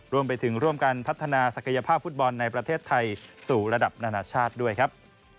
รวมไปถึงร่วมกันพัฒนาศักยภาพฟุตบอลในประเทศไทยสู่ระดับนานาชาติด้วยครับ